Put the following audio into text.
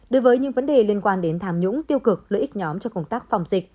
đối với những vấn đề liên quan đến tham nhũng tiêu cực lợi ích nhóm cho công tác phòng dịch